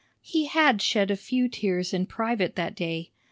He had shed a few tears in private that day.